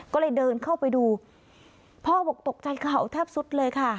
ก็เลยเดินเข้าไปดูพ่อบอกตกใจเขาแทบสุดเลยค่ะ